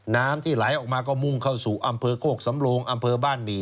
น้ำที่ไหลออกมาก็มุ่งเข้าสู่อำเภอโคกสำโลงอำเภอบ้านหมี่